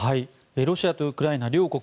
ロシアとウクライナ両国